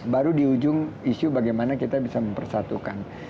baru di ujung isu bagaimana kita bisa mempersatukan